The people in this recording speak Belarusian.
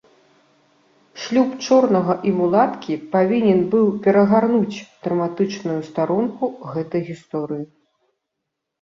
Шлюб чорнага і мулаткі павінен быў перагарнуць драматычную старонку гэтай гісторыі.